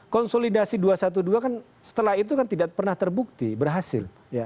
konsolidasi dua ratus dua belas kan setelah itu kan tidak pernah terbukti berhasil